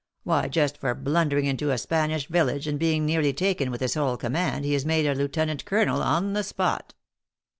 Why just for blundering into a Spanish village, and being nearly taken with his whole command, he is made a lieutenant colonel on the spot."